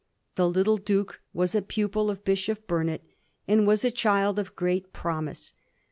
The little duke was a pupU of Bishop Burnet, and was a child of great promise.